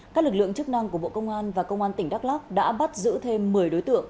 các lực lượng chức năng của bộ công an và công an tỉnh đắk lắc đã bắt giữ thêm một mươi đối tượng